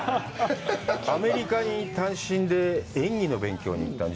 アメリカに単身で演技の勉強に行ったの？